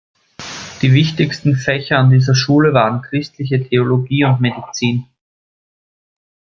Die wichtigsten Fächer an dieser Schule waren christliche Theologie und Medizin.